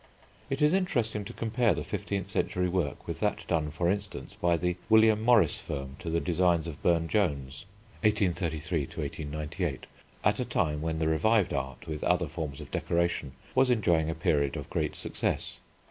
It is interesting to compare the fifteenth century work with that done, for instance, by the William Morris firm to the designs of Burne Jones (1833 1898), at a time when the revived art, with other forms of decoration, was enjoying a period of great success.